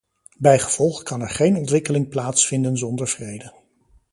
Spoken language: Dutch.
Bijgevolg kan er geen ontwikkeling plaatsvinden zonder vrede.